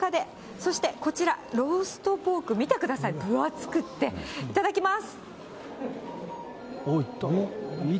そしてこちら、ローストポーク、見てください、分厚くて、いただきます。